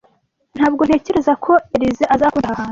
Ntabwo ntekereza ko Elyse azakunda aha hantu.